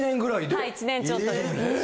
はい１年ちょっとで。